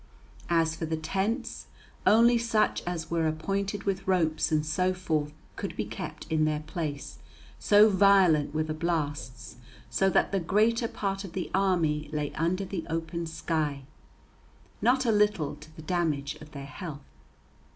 As for the tents, only such as were appointed with ropes and so forth could be kept in their place, so violent were the blasts, so that the greater part of the army lay under the open sky, not a little to the damage of their health.